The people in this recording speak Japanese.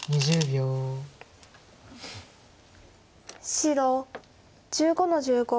白１５の十五。